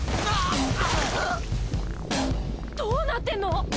あぁどうなってんの？